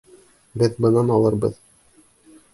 Беҙ бынан алырбыҙ!